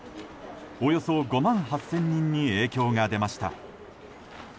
およそ５万８０００人に影響が出ました。